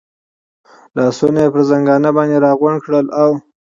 لاسونه یې پر زنګانه باندې را غونډ کړل، اوه.